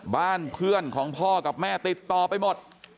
บ้านเพื่อนของพ่อกับแม่ติดต่อไปหมด